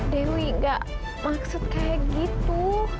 dewi gak maksud kayak gitu